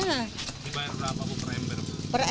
dibayar berapa bu per ember